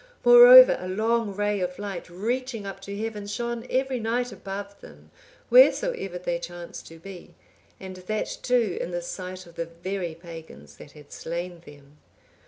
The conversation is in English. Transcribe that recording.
Moreover, a long ray of light, reaching up to heaven, shone every night above them wheresoever they chanced to be, and that too in the sight of the very pagans that had slain them.